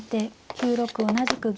９六同じく銀。